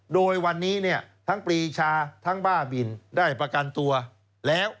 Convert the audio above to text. โดยวันนี้เนี่ยทั้งปรีชาทั้งบ้าบินได้ประกันตัวแล้ว